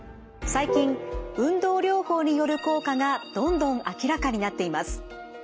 最近運動療法による効果がどんどん明らかになっています。